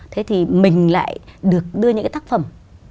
thế thì mình lại được đưa những cái tác phẩm